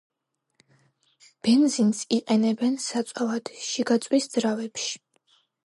ბენზინს იყენებენ საწვავად შიგაწვის ძრავებში.